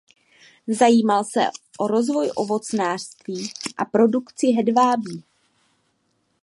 Zajímal se o rozvoj ovocnářství a produkci hedvábí.